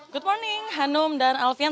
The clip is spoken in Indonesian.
good morning hanum dan alfian